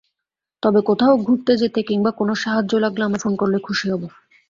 তবে কোথাও ঘুরতে যেতে কিংবা কোনো সাহায্য লাগলে আমায় ফোন করলে খুশি হবো।